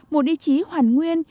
một địa chí hoàn nguyên